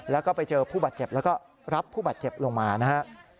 แล้วก็ไปเจอผู้บาดเจ็บแล้วก็รับผู้บาดเจ็บลงมานะฮะ